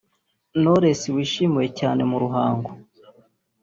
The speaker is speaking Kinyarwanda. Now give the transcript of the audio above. Knowless wishimiwe cyane mu Ruhango